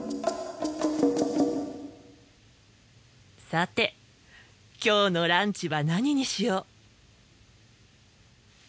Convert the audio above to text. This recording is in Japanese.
さて今日のランチは何にしよう。